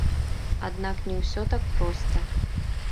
Аднак не ўсё так проста.